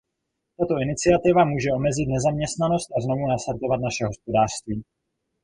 Tato iniciativa může omezit nezaměstnanost a znovu nastartovat naše hospodářství.